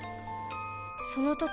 その時